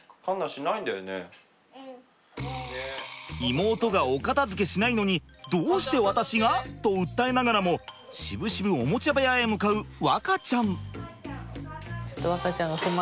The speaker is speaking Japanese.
妹がお片づけしないのにどうして私が？と訴えながらもしぶしぶおもちゃ部屋へ向かう和花ちゃん。